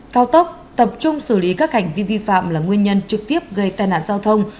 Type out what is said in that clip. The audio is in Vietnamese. cao tốc tập trung xử lý các hành vi vi phạm là nguyên nhân trực tiếp gây tai nạn giao thông